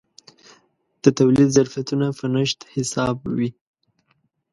د تولید ظرفیتونه په نشت حساب وي.